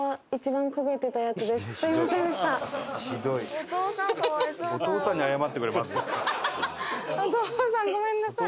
お父さんごめんなさい。